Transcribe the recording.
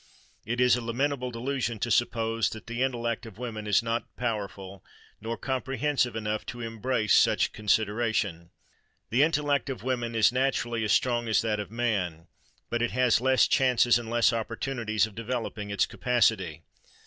It is a lamentable delusion to suppose that the intellect of woman is not powerful nor comprehensive enough to embrace such considerations. The intellect of woman is naturally as strong as that of man; but it has less chances and less opportunities of developing its capacity.